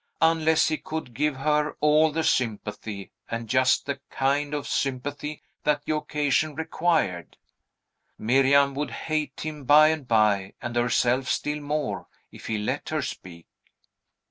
Unless he could give her all the sympathy, and just the kind of sympathy that the occasion required, Miriam would hate him by and by, and herself still more, if he let her speak.